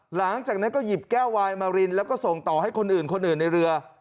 หลังจากนั้นก็หยิบแก้ววายมารินแล้วก็ส่งต่อให้คนอื่นคนอื่นในเรือ